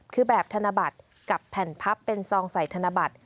คือแบบธนบัตรกับแผ่นพับเป็นซองใส่ธนบัตร